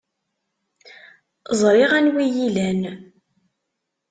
Ẓriɣ anwa ay iyi-ilan.